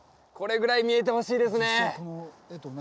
これぐらい見えてほしいですね